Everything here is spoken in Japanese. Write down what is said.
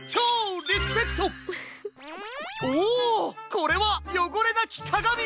これは「よごれなきかがみ」！